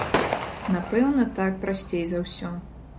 Напэўна, так прасцей за ўсё.